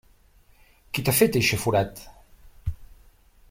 Qui t'ha fet eixe forat?